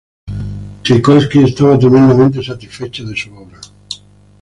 Chaikovski estaba tremendamente satisfecho de su obra.